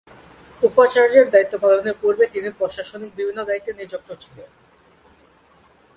উপাচার্যের দায়িত্ব পালনের পূর্বে তিনি প্রশাসনিক বিভিন্ন দায়িত্বে নিযুক্ত ছিলেন।